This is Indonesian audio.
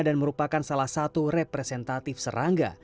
kupu kupu merupakan salah satu representatif serangga